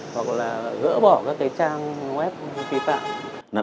hoặc là gỡ bỏ các trang web vi phạm